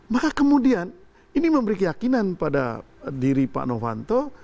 maka kemudian ini memberi keyakinan pada diri pak novanto